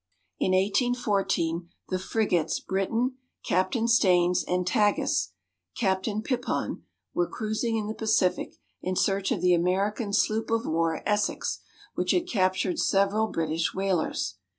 In 1814 the frigates Briton, Captain Staines, and Tagus, Captain Pipon, were cruising in the Pacific in search of the American sloop of war Essex, which had captured several British whalers.